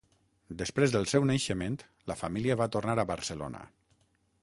Després del seu naixement, la família va tornar a Barcelona.